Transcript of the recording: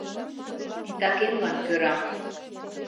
Титакемлан кӧра.